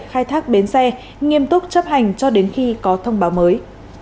khai thác bến xe nghiêm túc chấp hành cho đến khi có thông báo mới